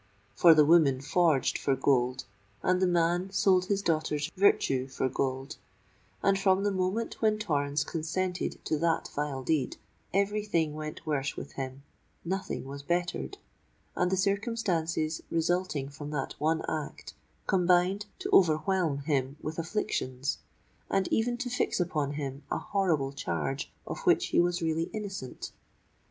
For the woman forged for gold—and the man sold his daughter's virtue for gold; and from the moment when Torrens consented to that vile deed, every thing went worse with him—nothing was bettered—and the circumstances resulting from that one act, combined to overwhelm him with afflictions, and even to fix upon him a horrible charge of which he was really innocent!